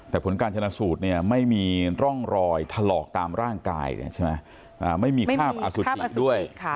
แต่ผลการชนะสูตรเนี่ยไม่มีร่องรอยถลอกตามร่างกายใช่ไหมไม่มีคราบอสุจิด้วย